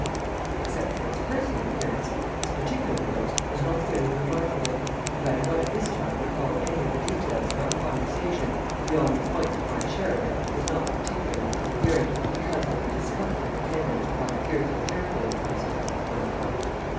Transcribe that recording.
Except for its personal appearance, this particular ghost was not very remarkable, and I do not at this time recall any of the details of our conversation beyond the point that my share of it was not particularly coherent, because of the discomfort attendant upon the fearful hair pulling process I was going through.